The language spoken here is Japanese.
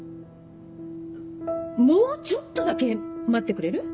もうちょっとだけ待ってくれる？